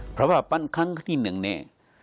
เพราะว่าครั้งที่หนึ่งนี่